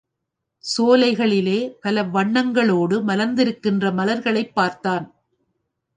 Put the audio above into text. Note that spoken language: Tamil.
சோலைகளிலே பல வண்ணங்களோடு மலர்ந்திருக்கின்ற மலர்களைப் பார்த்தான்.